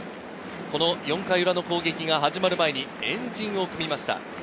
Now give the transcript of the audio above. ４回裏の攻撃が始まる前に円陣を組みました。